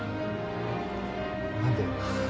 何で？